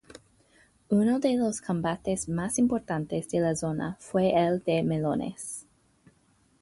Uno de los combates más importantes de la zona fue el de Melones.